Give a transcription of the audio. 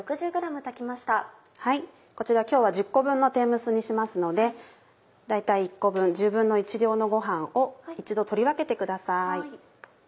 こちら今日は１０個分の天むすにしますので大体１個分１／１０量のご飯を一度取り分けてください。